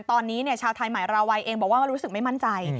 ตอนนี้ชาวไทยใหม่ราวัยเองบอกว่ารู้สึกไม่มั่นใจ